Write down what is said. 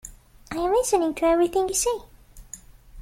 I am listening to everything you say.